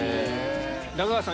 中川さん